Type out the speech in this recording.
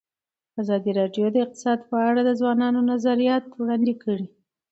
ازادي راډیو د اقتصاد په اړه د ځوانانو نظریات وړاندې کړي.